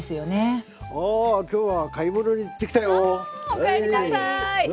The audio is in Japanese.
おかえりなさい。